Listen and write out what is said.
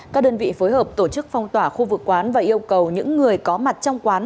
các đơn vị phối hợp tổ chức phong tỏa khu vực quán và yêu cầu những người có mặt trong quán